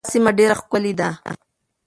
دا سیمه ډېره ښکلې ده.